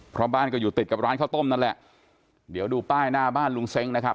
เพราะบ้านก็อยู่ติดกับร้านข้าวต้มนั่นแหละเดี๋ยวดูป้ายหน้าบ้านลุงเซ้งนะครับ